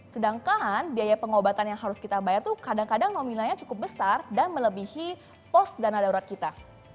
sedangkan biaya pengobatan yang harus kita bayar tuh kadang kadang nominalnya cukup besar dan melebihi pos dana darurat kita